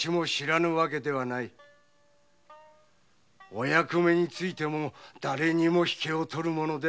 お役目に就いてもだれにも引けを取るものではあるまい。